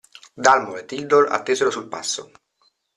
Dalmor e Tildor attesero sul passo.